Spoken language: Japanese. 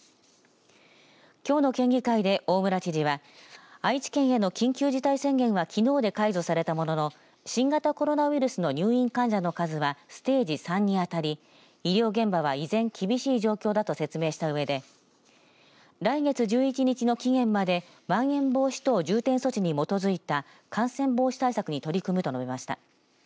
きょうの県議会で大村知事は愛知県への緊急事態宣言はきのうで解除されたものの新型コロナウイルスの入院患者の数はステージ３にあたり医療現場は依然厳しい状況だと説明したうえで来月１１日の期限までまん延防止等重点措置に基づいた感染防止対策に取り組むと述べました。